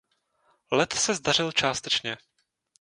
Let se zdařil částečně.